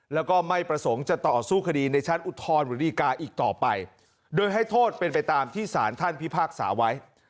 แล้วก็ไม่ประสงค์จะต่อสู้คดีในชั้นอุทธรณ์หรือดีกาอีกต่อไปโดยให้โทษเป็นไปตามที่สารท่านพิพากษาไว้